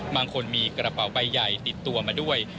บางคนมีกระเป๋าใบใหญ่ติดตัวมาด้วย